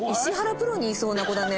プロにいそうな子だね。